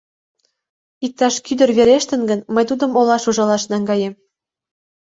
— Иктаж кӱдыр верештын гын, мый тудым олаш ужалаш наҥгаем.